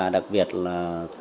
đặc biệt là